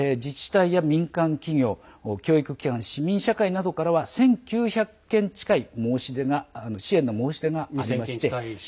自治体や民間企業教育機関などから１９００件近い支援の申し出がありまして。